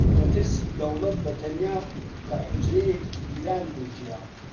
لە ترسی دەوڵەت بە تەنیا لە حوجرەیەکی هیران دەژیا